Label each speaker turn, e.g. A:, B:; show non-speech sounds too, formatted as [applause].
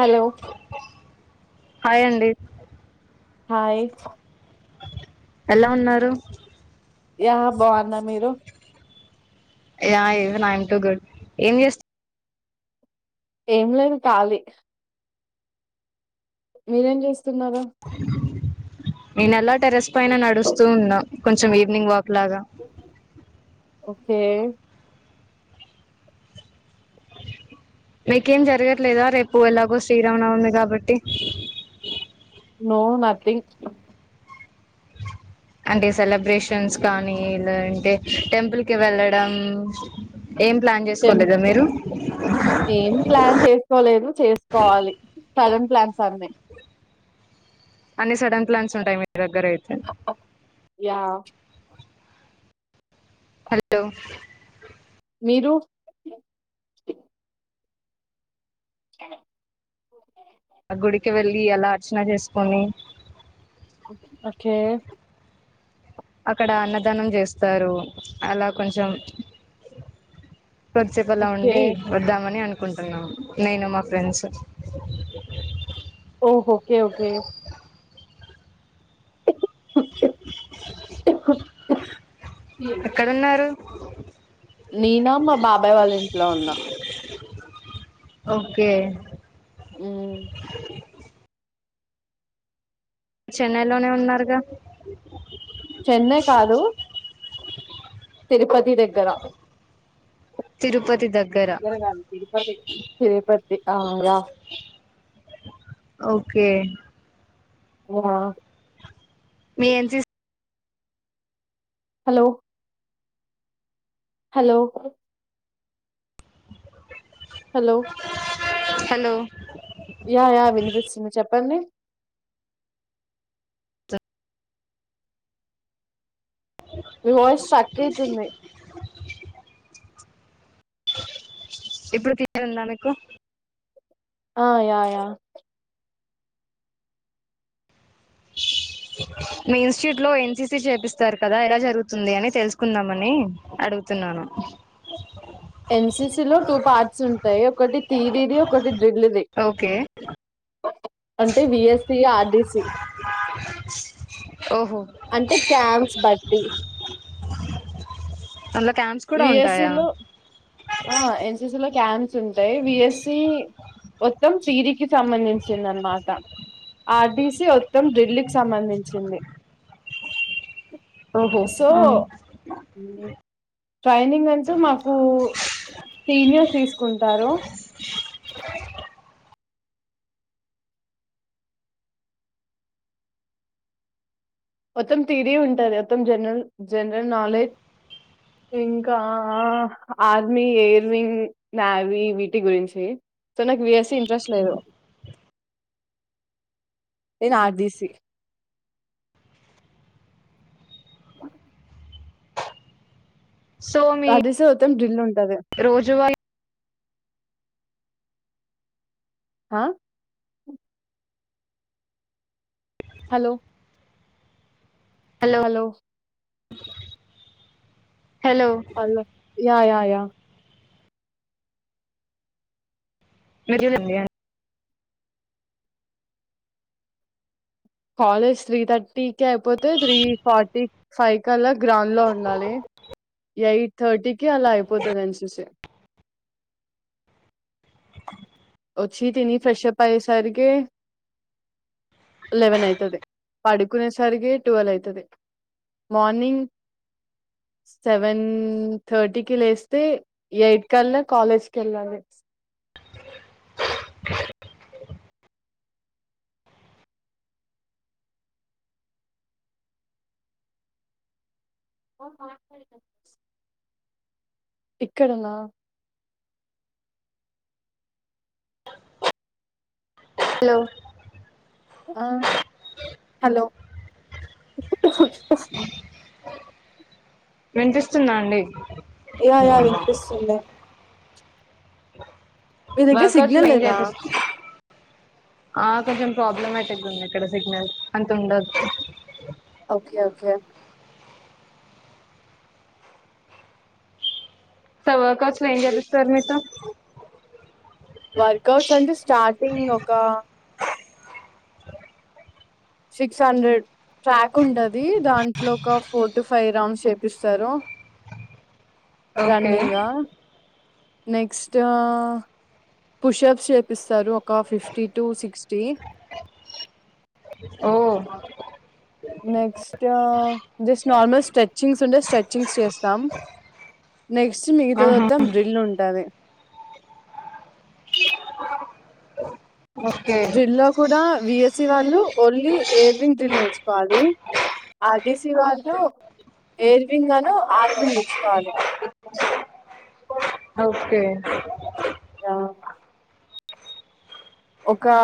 A: Hello
B: హయండి
A: hi
B: ఎలా ఉన్నారు
A: యా బావున్నా మీరు
B: yeah is nine to good ఏం చేస్
A: ఏం లేదు ఖాలీ మీరంజెస్
B: [inaudible] నేనలా టెరెస్ పైన నడుస్తూ ఉన్నా కొంచెం ఈవినింగ్ వాక్ లాగా
A: ఏ
B: మీకేం జరగట్లేదా రేపు ఎలాగో శ్రీరామ నవమి కాబట్టి
A: నో నథింగ్
B: అంటే సెలబ్రేషన్స్ కానీ లేదంటే టెంపుల్ కి వెళ్ళడం ఏం ప్లాన్
A: టెం
B: చేసుకోలేదా మీరూ
A: ఏం ప్లాన్ చేసుకోలేదు చేసుకోవాలి సడన్ ప్లాన్స్ అన్ని
B: అన్ని సడన్ ప్లాన్స్ ఉంటాయి మీ దగ్గర అయితే
A: యా
B: హలో
A: మీరు
B: ఈయల అర్చనా చేసుకొని
A: ఒకే
B: అక్కడ అన్నదానం చేస్తారు అలా కొంచెం కొద్దిసేపు అలా
A: ఓకే
B: ఉండీ ఒద్దామని అనుక్ కుంటున్నాం నేను మా ఫ్రెండ్స్
A: ఓహో ఓకే ఓకే
B: ఎక్కడున్నారు
A: నేనా మా బాబాయ్ వాళ్ళ ఇంట్లో ఉన్న
B: ఓకే
A: ఉమ్
B: చెన్నైలోనే ఉన్నారుగా
A: చెన్నై కాదూ తిపతి దగ్గర
B: తిరు
A: తిరుపతి అవున
B: ఓకే
A: ఆ
B: మీ NCC
A: hello hello hello
B: hello
A: yeah yeah వినిపిస్తుంది చెప్ ప్పండి మీ వాయిస్ స్టక్ ఐతుంది
B: ఇప్పుడు క్లియర్ ఉందా మీకు
A: ఆ యా యా
B: మీ ఇన్ట్యూట్ లో ఎన్సీసి చేపిస్తారు కదా ఎలా జరుగుతుంది అని తెలుసుకుందామనీ అడుగుతున్నాను
A: ఎన్సీసి లో టూ పార్ట్స్ ఉంటాయి ఒకటి థిరీది ఒకటి రీల్ ది
B: ఓకే
A: అంటే విఎస్సి ఆర్డీసీ
B: ఓహో
A: అంటే క్యాంప్స్ బట్టి
B: మ
A: వి ఎస్ సి లో ఆ ఎన్ సి సి లో [unintelligible] తింటాయి విఎస్సి మొత్తం థిరీకి సంబంధించింది అన్మాట ఆర్టీసి మొత్తం డ్రిల్ కి సంబంధించింది
B: ఓహో
A: సో
B: ఆ.
A: ట్రైనింగ్ అంటూ మాకు సీనియర్స్ తీసుకుంటారు మొత్తం థిరీ ఉంటాది మొత్తం జనరల్ జనరల్ నాలెడ్జ్ ఇంకా ఆర్మీ ఎయిర్ వింగ్ నావీ వీటి గురించి సో నాకు విఎస్సి ఇంట్రెస్ట్ లేదు నేను ఆర్ బి సి
B: సో మీ
A: అది శదివితే డ్రిల్ ఉంటది
B: రోజువారీ
A: హా hello hello
B: hello
A: hello yeah yeah yeah
B: [unintelligible]
A: college three థర్టీకి అయిపోతే త్రీ ఫార్టీ ఫైవ్ కి అలా గ్రౌండ్ లో ఉండాలి ఎయిట్ థర్టీకి అలా అయిపోతుందని చూసి వచ్చి తిని ఫ్రెష్ప్ అయ్యేసరికి లెవెన్ అయితది పడుకునే సరికి టువేల్ అయితది మార్నింగ్ సెవెన్ థర్టీకి లేస్తే ఎయిట్ కల్లా కాలేజ్కి వెళ్ళాలి [unintelligible] ఇక్కడనా
B: హలో
A: హలో [unintelligible]
B: వినిపిస్తుందా అండి
A: యా యా వినిపిస్తుందా మీ దగ్గర
B: వర్కౌట్స్ లో
A: సిగ్నల్
B: ఏం
A: లేదా
B: చేపిస్ ఆ కొంచెం ప్రాబ్లమాటిక్గా ఉంది ఇక్కడ సిగ్నల్ అంత ఉండదు
A: ఓకే ఓకే
B: చాలా వర్కౌస్ ఇంట్లొ ఏం చెపిస్తారు మీతో
A: వర్కౌట్స్ అంటే స్టార్టింగ్ ఒక సిక్స్ హండ్రెడ్ ట్రాక్ ఉంటాది దాంట్లో ఒక ఫోర్ టు ఫైవ్ రౌండ్స్ చేపిస్తారు
B: ఓకే
A: రన్నింగ్ గా నెక్స్ట్ ఆ పుష్యాస్ చేపిస్తారు ఒక ఫిఫ్టీ టు సిక్స్టీ
B: ఓ
A: నెక్స్ట్ జస్ట్ నార్మల్ స్ట్రెచింగ్స్ ఉంటే స్ట్రెచింగ్స్ చేస్తాం నెక్స్ట్ మిగత
B: ఆహా
A: దంతా డ్రిల్ ఉంటది
B: ఓకే
A: బిఎస్సి వాళ్ళు ఓన్లీ ఎయిర్ వింగ్ గ్రిల్ నేర్చుకోవాలి ఆర్టీసి వాళ్ళు ఎయిర్ వింగ్ అన్నా ఆర్వి నేర్చుకోవాలి
B: ఓకే
A: రా ఓకా